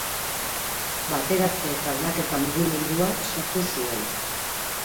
Bateratze eta Aldaketa Mugimendua sortu zuen.